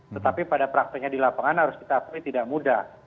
tetapi pada prakteknya di lapangan harus kita akui tidak mudah